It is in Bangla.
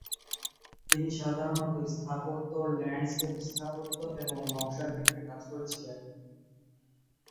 তিনি সাধারণ স্থাপত্য, ল্যান্ডস্কেপ স্থাপত্য এবং নকশা ক্ষেত্রে কাজ করেছিলেন।